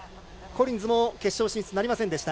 コリンズも決勝進出なりません。